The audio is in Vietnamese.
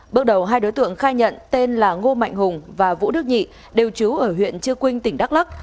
bước đầu hai đối tượng khai nhận tên là ngô mạnh hùng và vũ đức nhị đều trú ở huyện chư quynh tỉnh đắk lắc